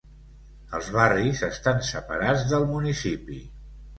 Els barris estan separats del municipi.